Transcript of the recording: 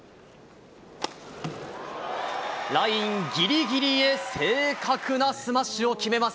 ラインぎりぎりへ正確なスマッシュを決めます。